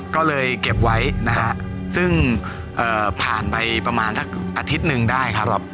ก็เลยเก็บไว้นะฮะซึ่งผ่านไปประมาณสักอาทิตย์หนึ่งได้ครับ